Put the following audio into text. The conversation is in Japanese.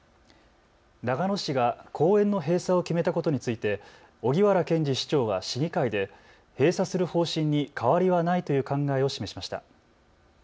長野市が公園の閉鎖を決めたことについて荻原健司市長は市議会で閉鎖する方針に変わりはないという考えを示しました。